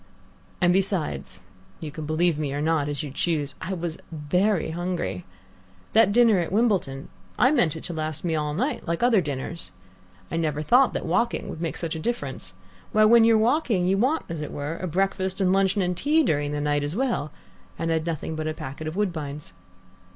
And besides you can believe me or not as you choose I was very hungry. That dinner at Wimbledon I meant it to last me all night like other dinners. I never thought that walking would make such a difference. Why, when you're walking you want, as it were, a breakfast and luncheon and tea during the night as well, and I'd nothing but a packet of Woodbines.